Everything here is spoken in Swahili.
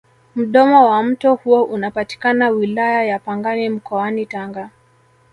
mdomo wa mto huo unapatikana wilaya ya pangani mkoani tanga